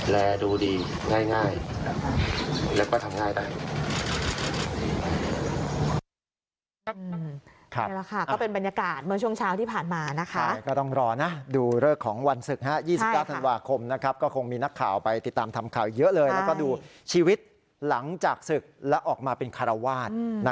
และดูดีง่ายแล้วก็ทำง่ายได้